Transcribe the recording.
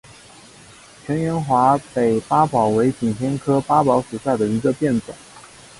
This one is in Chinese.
全缘华北八宝为景天科八宝属下的一个变种。